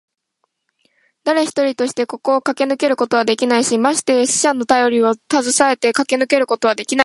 だれ一人としてここをかけ抜けることはできないし、まして死者のたよりをたずさえてかけ抜けることはできない。